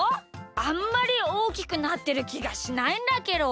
あんまりおおきくなってるきがしないんだけど。